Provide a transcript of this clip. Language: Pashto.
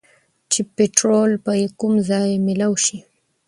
چې پيټرول به کوم ځايې مېلاؤ شي